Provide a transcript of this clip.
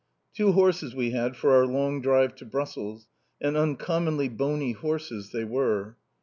Two horses we had for our long drive to Brussels, and uncommonly bony horses they were.